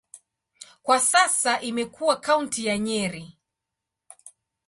Kwa sasa imekuwa kaunti ya Nyeri.